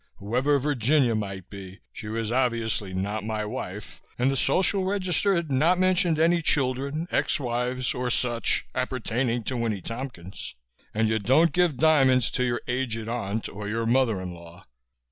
Whoever "Virginia" might be, she was obviously not my wife and the Social Register had not mentioned any children, ex wives or such appertaining to Winnie Tompkins. And you don't give diamonds to your aged aunt or your mother in law.